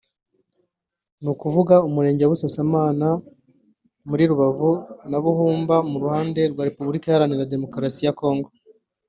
ni ukuvuga umurenge wa Busasamana muri Rubavu na Buhumba ku ruhande rwa Repubulika Iharanira Demokarasi ya Kongo